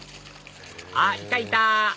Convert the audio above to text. あっいたいた！